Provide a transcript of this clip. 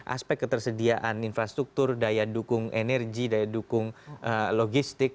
aspek ketersediaan infrastruktur daya dukung energi daya dukung logistik